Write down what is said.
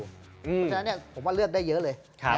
เพราะฉะนั้นผมว่าเลือกได้เยอะเลย